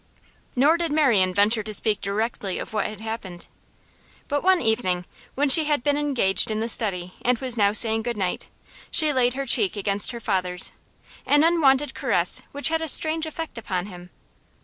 Nor did Marian venture to speak directly of what had happened. But one evening, when she had been engaged in the study and was now saying 'Good night,' she laid her cheek against her father's, an unwonted caress which had a strange effect upon him.